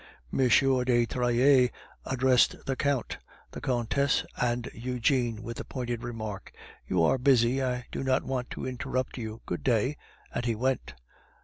M. de Trailles addressed the Count, the Countess, and Eugene with the pointed remark, "You are busy, I do not want to interrupt you; good day," and he went.